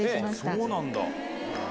そうなんだ。